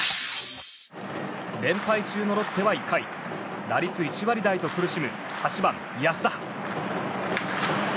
連敗中のロッテは１回打率１割台と苦しむ８番、安田。